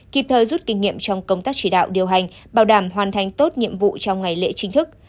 kịp thời rút kinh nghiệm trong công tác chỉ đạo điều hành bảo đảm hoàn thành tốt nhiệm vụ trong ngày lễ chính thức